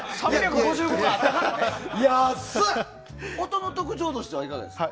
音の特徴はいかがですか？